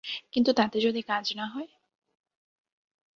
কিন্তু তাতে যদি কাজ না হয়?